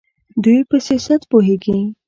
دوی په سیاست پوهیږي.